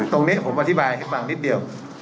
ตรงนี้ผมอธิบายให้ฟังนิดเดียว